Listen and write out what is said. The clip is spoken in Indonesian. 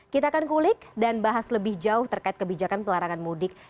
kita akan kulik dan bahas lebih jauh terkait kebijakan pelarangan mudik